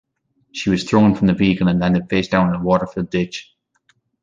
She was thrown from the vehicle and landed face-down in a water-filled ditch.